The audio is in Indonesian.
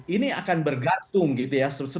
ini akan bergantung gitu ya